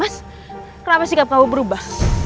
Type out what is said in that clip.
mas kenapa sikap kamu berubah